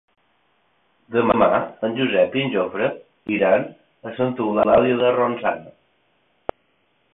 Demà en Josep i en Jofre iran a Santa Eulàlia de Ronçana.